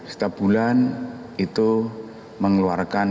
setiap bulan itu mengeluarkan